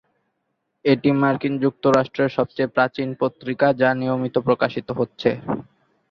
এটি মার্কিন যুক্তরাষ্ট্রের সবচেয়ে প্রাচীন পত্রিকা যা নিয়মিত প্রকাশিত হচ্ছে।